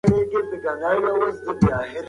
ولي ټولنپوهنه د خلګو د انفرادیت تحلیل کوي؟